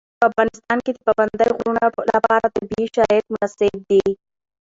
په افغانستان کې د پابندی غرونه لپاره طبیعي شرایط مناسب دي.